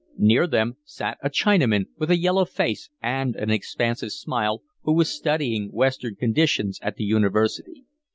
Near them sat a Chinaman, with a yellow face and an expansive smile, who was studying Western conditions at the University.